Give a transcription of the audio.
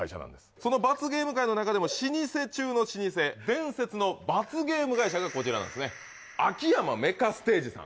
その罰ゲーム界の中でも老舗中の老舗伝説の罰ゲーム会社がこちらなんですね秋山メカステージさん